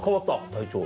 体調。